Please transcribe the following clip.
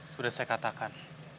sudah saya katakan